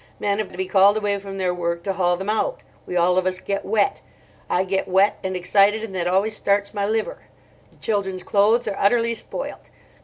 Men have to be called away from their work to haul them out. We all of us get wet. I get wet and excited, and that always starts my liver. The children's clothes are utterly spoilt.